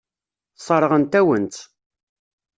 Sseṛɣent-awen-tt.